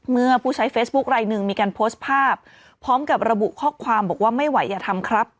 เมื่อผู้ใช้เฟซบุ๊คลายหนึ่งมีการโพสต์ภาพพร้อมกับระบุข้อความบอกว่าไม่ไหวอย่าทำครับ